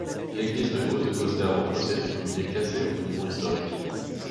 L'église de Haut-de-Bosdarros possède du mobilier classé aux monuments historiques.